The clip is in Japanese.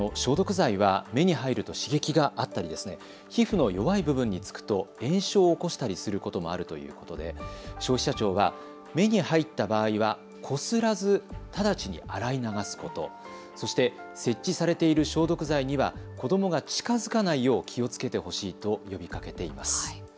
消毒剤は目に入ると刺激があったり、皮膚の弱い部分に付くと炎症を起こしたりすることもあるということで消費者庁は目に入った場合はこすらず直ちに洗い流すこと、そして、設置されている消毒剤には子どもが近づかないよう気をつけてほしいと呼びかけています。